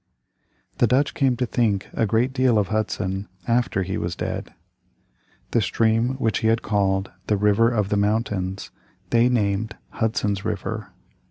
The Dutch came to think a great deal of Hudson after he was dead. The stream which he had called "The River of the Mountains" they named Hudson's River.